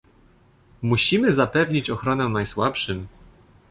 Musimy zapewnić ochronę najsłabszym